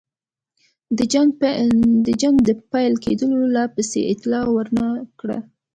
د جنګ د پیل کېدلو پالیسۍ اطلاع ور نه کړه.